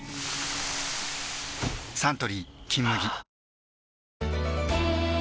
サントリー「金麦」